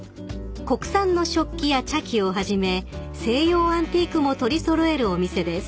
［国産の食器や茶器をはじめ西洋アンティークも取り揃えるお店です］